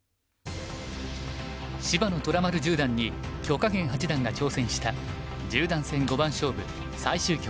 芝野虎丸十段に許家元八段が挑戦した十段戦五番勝負最終局。